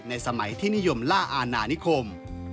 สมัยที่นิยมล่าอาณานิคม